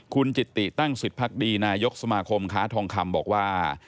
คุณจิตติตั้งสิทธิพักดีนายกสมาคมค้าทองคำบอกว่า